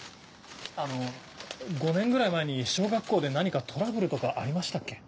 あの５年ぐらい前に小学校で何かトラブルとかありましたっけ？